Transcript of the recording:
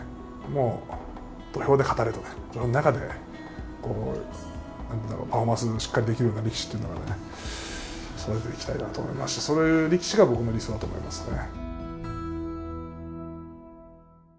もう土俵で語れとね土俵の中でパフォーマンスしっかりできるような力士っていうのはね育てていきたいなと思いますしそういう力士が僕の理想だと思いますね。